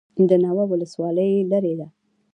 د ناوه ولسوالۍ لیرې ده